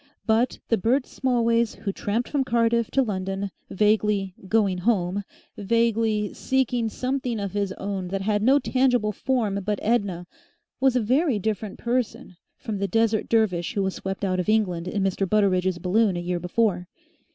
But the Bert Smallways who tramped from Cardiff to London vaguely "going home," vaguely seeking something of his own that had no tangible form but Edna, was a very different person from the Desert Dervish who was swept out of England in Mr. Butteridge's balloon a year before.